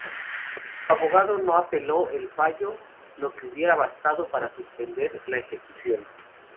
Su abogado no apeló el fallo, lo que hubiera bastado para suspender la ejecución.